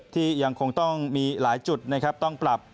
ที่ยังคงต้องมีหลายจุดนะครับต้องปรับ